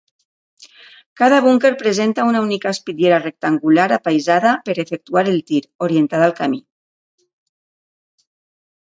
Cada búnquer presenta una única espitllera rectangular apaïsada per efectuar el tir, orientada al camí.